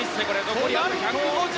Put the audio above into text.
残りはあと１５０。